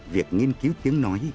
việc nghiên cứu tiếng nói